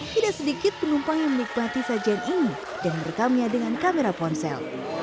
tidak sedikit penumpang yang menikmati sajian ini dan merekamnya dengan kamera ponsel